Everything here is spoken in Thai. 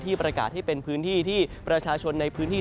ประกาศให้เป็นพื้นที่ที่ประชาชนในพื้นที่